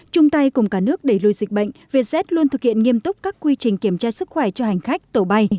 chung tay cùng cả nước đẩy lùi dịch bệnh vietjet luôn thực hiện nghiêm túc các quy trình kiểm tra sức khỏe cho hành khách tổ bay